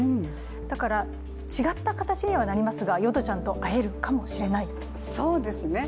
だから、違った形にはなりますがヨドちゃんと会えるかもしれない。